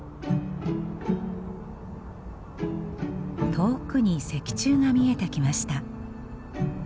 遠くに石柱が見えてきました。